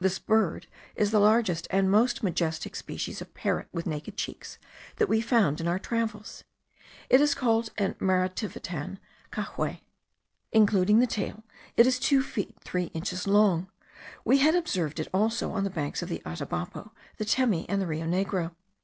This bird is the largest and most majestic species of parrot with naked cheeks that we found in our travels. It is called in Marativitan, cahuei. Including the tail, it is two feet three inches long. We had observed it also on the banks of the Atabapo, the Temi, and the Rio Negro.